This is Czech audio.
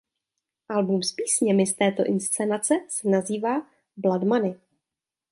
Album s písněmi z této inscenace se nazývá "Blood Money".